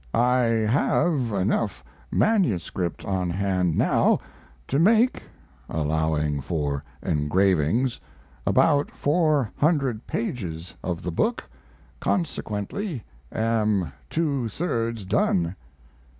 I have enough manuscript on hand now to make (allowing for engravings) about four hundred pages of the book, consequently am two thirds done.